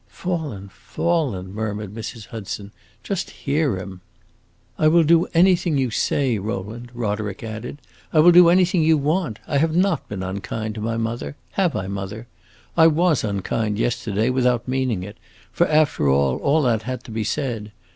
"Fallen fallen!" murmured Mrs. Hudson. "Just hear him!" "I will do anything you say, Rowland," Roderick added. "I will do anything you want. I have not been unkind to my mother have I, mother? I was unkind yesterday, without meaning it; for after all, all that had to be said.